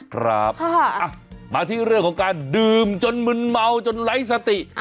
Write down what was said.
ครับมาที่เรื่องของการดื่มจนมึนเมาจนไร้สติ